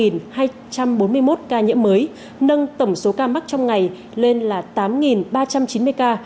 những ca nhiễm mới nâng tổng số ca mắc trong ngày lên là tám ba trăm chín mươi ca